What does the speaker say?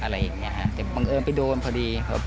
แต่บังเอิญไปโดนพอดี